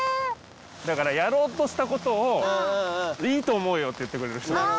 だからやろうとしたことを「いいと思うよ」って言ってくれる人。